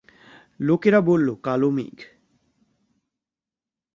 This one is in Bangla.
লোকেরা বলল কালো মেঘ।